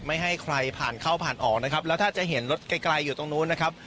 ไม่ให้ใครผ่านเข้าผ่านออกนะครับแล้วถ้าจะเห็นรถไกลไกลอยู่ตรงนู้นนะครับ